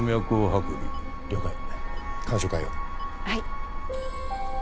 はい。